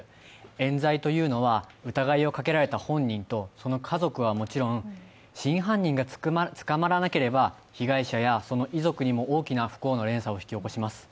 えん罪というのは疑いをかけられた本人とその家族はもちろん、真犯人が捕まらなければ被害者やその遺族にも大きな不幸の連鎖をもたらします。